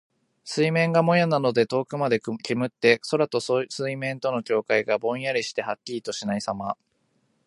水面がもやなどで遠くまで煙って、空と水面の境界がぼんやりしてはっきりとしないさま。